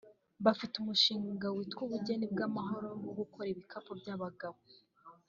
bafite umushinga witwa Ubugeni bw’amahoro wo gukora ibikapu by’abagabo